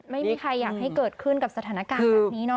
ไม่มีใครอยากให้เกิดขึ้นกับสถานการณ์แบบนี้เนอ